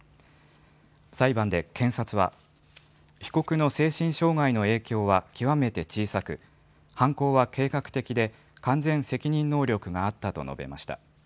裁判で検察は、被告の精神障害の影響は極めて小さく、犯行は計画的で、完全責任能力があったと述べました。